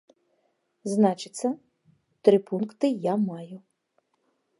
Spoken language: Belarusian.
Значыцца, тры пункты я маю.